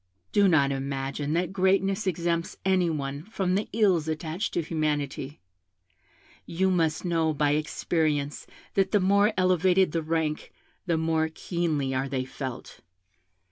Do not imagine that greatness exempts any one from the ills attached to humanity. You must know by experience that the more elevated the rank the more keenly are they felt.